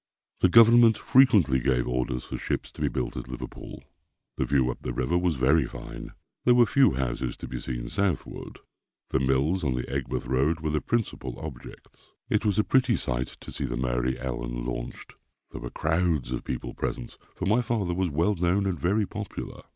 The government frequently gave orders for ships to be built at Liverpool. The view up the river was very fine. There were few houses to be seen southward. The mills on the Aigburth road were the principal objects. It was a pretty sight to see the Mary Ellen launched. There were crowds of people present, for my father was well known and very popular.